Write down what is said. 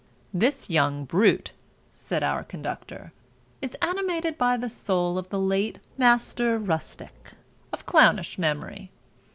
"This young brute, said our conductor, is animated by the soul of the late matter Rustick, of clownish memory.